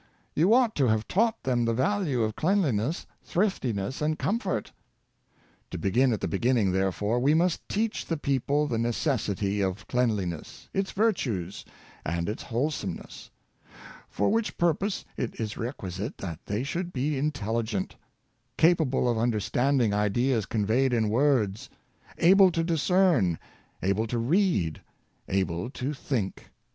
You ought to have taught them the value of cleanliness, thriftiness, and comfort." To begin^ at the beginning, therefore, we must teach the people the necessity of cleanliness, its virtues, and its wholesomeness ; for which purpose it is requisite that they should be intelligent, capable of understanding ideas conveyed in words, able to discern, able to read, able to think.